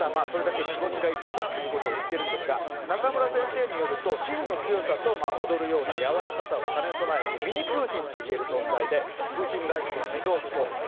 それだけ気持ちが一緒だということを言ってるんですが、中村先生によると、芯の強さと踊るような柔らかさを兼ね備えてミニプーチンといえる存在で、プーチン外交の秘蔵っ子。